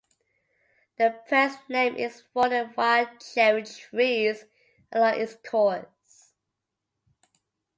The present name is for the wild cherry trees along its course.